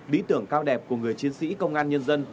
lý tưởng cao đẹp của người chiến sĩ công an nhân dân